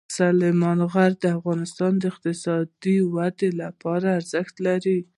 سلیمان غر د افغانستان د اقتصادي ودې لپاره ارزښت لري.